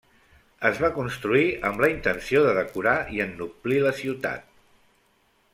Es va construir amb la intenció de decorar i ennoblir la ciutat.